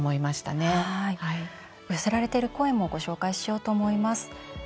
寄せられている声もご紹介しようと思います。